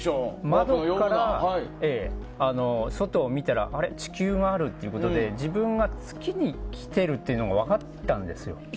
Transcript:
窓から外を見たらあれ、地球があるということで自分が月に来ているのが分かったんですよ。